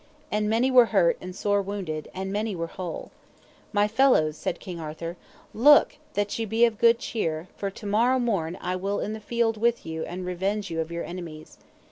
And many were hurt and sore wounded, and many were whole. My fellows, said King Arthur, look that ye be of good cheer, for to morn I will be in the field with you and revenge you of your enemies.